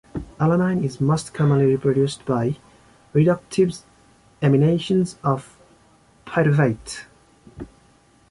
Alanine is most commonly produced by reductive amination of pyruvate.